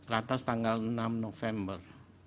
ratas tanggal enam november